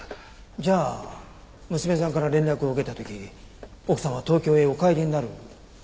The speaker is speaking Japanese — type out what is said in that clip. じゃあ娘さんから連絡を受けた時奥さんは東京へお帰りになる途中だった？